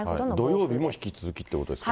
土曜日も引き続きということですか。